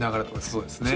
そうですね